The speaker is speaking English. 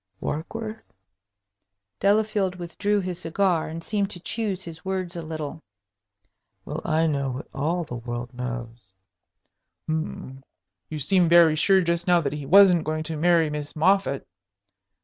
"Warkworth?" Delafield withdrew his cigar, and seemed to choose his words a little. "Well, I know what all the world knows." "Hm you seemed very sure just now that he wasn't going to marry Miss Moffatt."